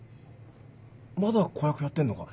まだ子役やってんのか？